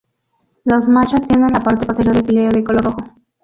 Los machos tienen la parte posterior del píleo de color rojo.